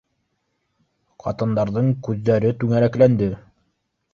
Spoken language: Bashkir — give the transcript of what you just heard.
Ҡатындарҙың күҙҙәре түңәрәкләнде: